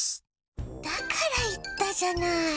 だから言ったじゃない。